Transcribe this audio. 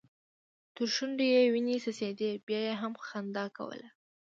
تر شونډو يې وينې څڅيدې بيا يې هم خندا کوله.